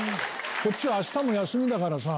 こっちは明日も休みだからさ。